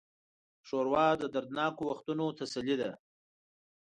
ښوروا د دردناکو وختونو تسلي ده.